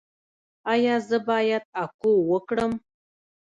ایا زه باید اکو وکړم؟